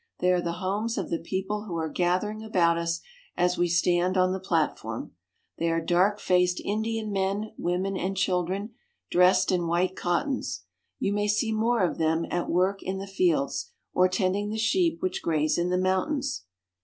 They are the homes of the people who are gathering about us as we stand on the platform. They are dark faced Indian men, women, and children, dressed in white cottons. You may see more of them at work in the fields, or tending the sheep which graze in the mountains.